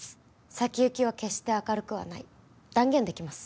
先行きは決して明るくはない断言できます